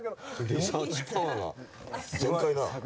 リサーチパワーが全開だ。